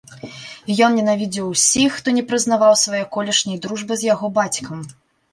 Ён ненавідзеў усіх, хто не прызнаваў свае колішняй дружбы з яго бацькам.